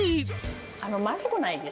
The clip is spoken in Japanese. あの、まずくないです。